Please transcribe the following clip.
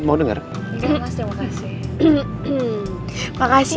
iya enggak sih makasih